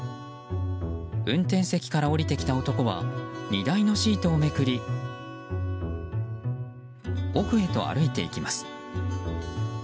運転席から降りてきた男は荷台のシートをめくり奥へと歩いていきます。